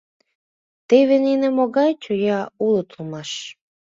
Теве нине могай чоя улыт улмаш...»